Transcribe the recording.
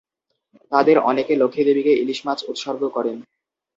তাদের অনেকে লক্ষ্মী দেবীকে ইলিশ মাছ উৎসর্গ করেন।